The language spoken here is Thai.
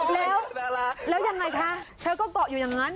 แล้วยังไงคะเธอก็เกาะอยู่อย่างนั้น